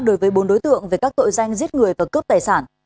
đối với bốn đối tượng về các tội danh giết người và cướp tài sản